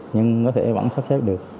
nhưng có thể vẫn xếp xếp được